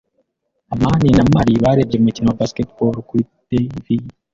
amani na Mary barebye umukino wa basketball kuri TV.